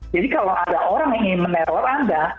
jadi kalau ada orang yang ingin meneror anda